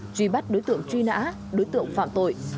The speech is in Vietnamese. truy bắt đối tượng truy nã đối tượng phạm tội